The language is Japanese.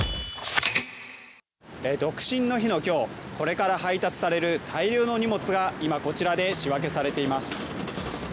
独身の日の今日、これから配達される大量の荷物が今、こちらで仕分けされています。